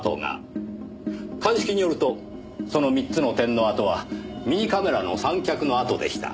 鑑識によるとその３つの点の跡はミニカメラの三脚の跡でした。